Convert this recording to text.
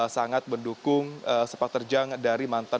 sangat mendukung sepak terjang dari mantan